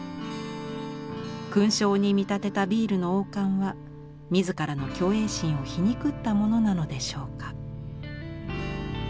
勲章に見立てたビールの王冠は自らの虚栄心を皮肉ったものなのでしょうか？